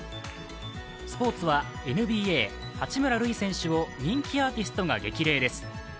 スポーツはＮＢＡ・八村塁選手を人気アーティストが激励です。